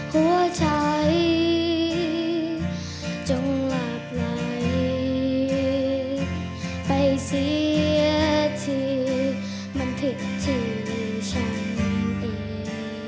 หัวใจจงหลับไหลไปเสียที่มันถึงที่ฉันเอง